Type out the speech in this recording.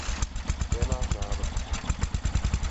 To je náš návrh.